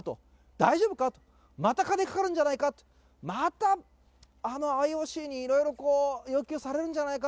大丈夫かと、また金かかるんじゃないか、またあのＩＯＣにいろいろこう、要求されるんじゃないか？